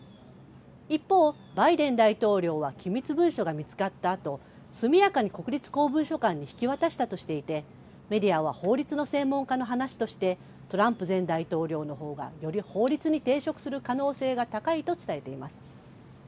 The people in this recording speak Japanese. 一方、バイデン大統領は機密文書が見つかったあと速やかに国立公文書館に引き渡したとしていてメディアは法律の専門家の話としてトランプ前大統領の方がより法律に抵触する可能性が高いと伝えています。